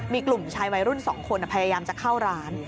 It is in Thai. มีกลุ่มชายวัยรุ่น๒คนพยายามจะเข้าร้าน